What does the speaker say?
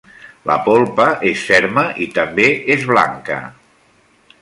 La polpa és ferma, i també és blanca.